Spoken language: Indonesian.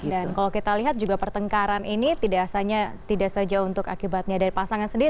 dan kalau kita lihat juga pertengkaran ini tidak saja untuk akibatnya dari pasangan sendiri